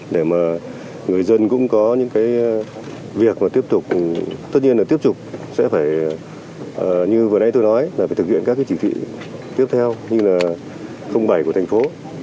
để mà người dân cũng có những cái việc mà tiếp tục tất nhiên là tiếp tục sẽ phải như vừa nãy tôi nói là phải thực hiện các cái chỉ thị tiếp theo như là bảy của thành phố